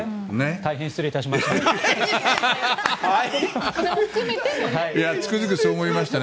大変失礼いたしました。